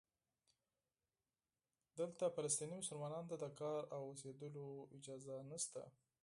دلته فلسطینی مسلمانانو ته د کار او اوسېدلو اجازه نشته.